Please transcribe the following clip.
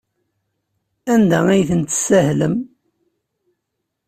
Anda ay ten-tessahlem?